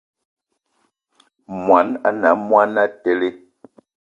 Món ané a monatele